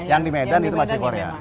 yang di medan itu masih korea